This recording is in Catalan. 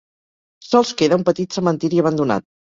Sols queda un petit cementiri abandonat.